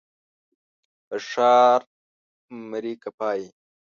که ښار مرې که پايي.